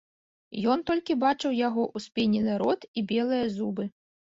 Ён толькі бачыў яго ўспенены рот і белыя зубы.